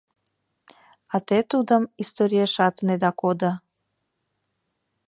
— А те Тудым историешат ынеда кодо.